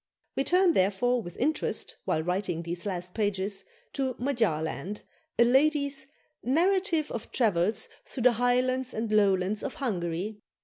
We turn, therefore, with interest, while writing these last pages, to "Magyarland," a lady's "Narrative of Travels through the Highlands and Lowlands of Hungary."